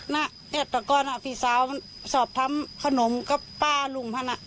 น่ะแต่ต่อก่อนอ่ะพี่สาวมันสอบทำขนมกับป้าลูกมันอ่ะ